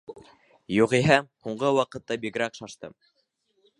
Юғиһә, һуңғы ваҡытта, бигерәк шашты.